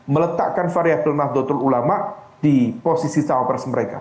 meletakkan variabel nahdlatul ulama di posisi cawapres mereka